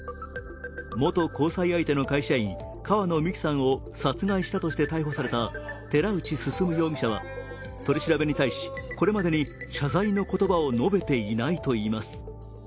元交際相手の会社員川野美樹さんを殺害したとして逮捕された寺内進容疑者は取り調べに対し、これまでに謝罪の言葉を述べていないといいます。